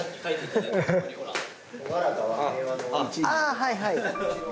あはいはい！